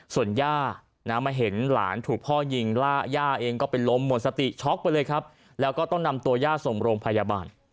ส่วนย่ามาเห็นหลานถูกพ่อยิงย่าเองก็เป็นลมหมดสติช็อกไปเลยครับแล้วก็ต้องนำตัวย่าส่งโรงพยาบาล